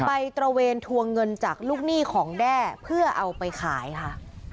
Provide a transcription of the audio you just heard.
ตระเวนทวงเงินจากลูกหนี้ของแด้เพื่อเอาไปขายค่ะ